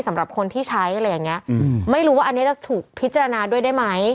สำหรับคนที่ใช้อะไรอย่างเงี้ยอืมไม่รู้ว่าอันนี้จะถูกพิจารณาด้วยได้ไหม